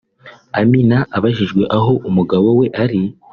Amina abajijwe aho umugabo we ari